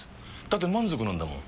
だって満足なんだもん。